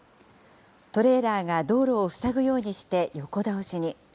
トレーラーが道路を塞ぐようにして横倒しに。